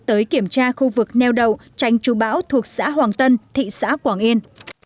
tới kiểm tra khu vực neo đầu tranh trù bão thuộc xã hoàng tân thị xã quảng yên